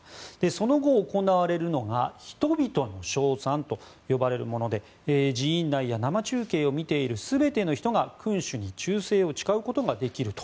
その後、行われるのが人々の称賛と呼ばれるもので寺院内や生中継を見ている全ての人が君主に忠誠を誓うことができると。